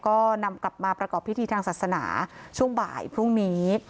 ก็นำกลับมาประกอบพิธีทางศาสนาช่วงบ่ายพรุ่งนี้